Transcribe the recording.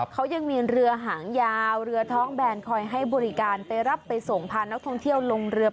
เขายังมีเรือหางยาวเรือท้องแบนคอยให้บริการไปรับไปส่งพานักท่องเที่ยวลงเรือ